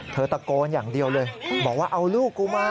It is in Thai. ตะโกนอย่างเดียวเลยบอกว่าเอาลูกกูมา